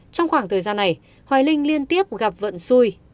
trong khoảng thời gian này hoài linh liên tiếp gặp vận xuôi